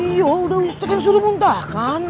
iya udah ustadz yang suruh muntahkan